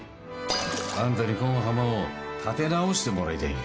あんたにこん浜を立て直してもらいたいんよ。